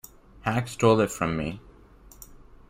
Hack stole it from me.